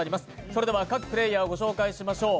それでは、各プレーヤーをご紹介しましょう。